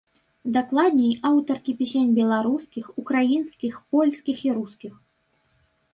Дакладней, аўтаркі песень, беларускіх, украінскіх, польскіх і рускіх.